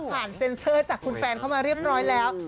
เซ็นเซอร์จากคุณแฟนเข้ามาเรียบร้อยแล้ว